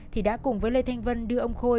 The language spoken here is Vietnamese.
thì đã cùng với lê thanh vân đưa ông khôi